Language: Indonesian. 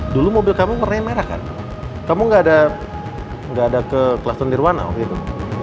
dulu mobil kamu warnanya merah kan kamu gak ada ke klaster nirwana gitu